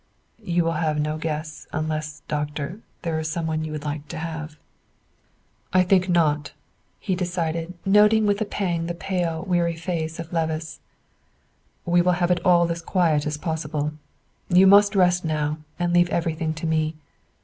"You will have no guests, unless, Doctor, there is some one you would like to have." "I think not," he decided, noting with a pang the pale, weary face of Levice; "we will have it all as quiet as possible. You must rest now, and leave everything to me.